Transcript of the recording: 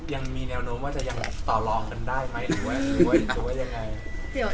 ยังมีแนวนู้นจะยังตอรองกันได้มั้ยหรือว่ายังไง